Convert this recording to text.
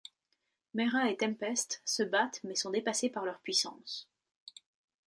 Mera et Tempest se battent mais sont dépassés par leur puissance.